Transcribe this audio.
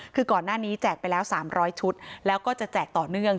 คือก่อนหน้านี้แจกไปแล้ว๓๐๐ชุดแล้วก็จะแจกต่อเนื่อง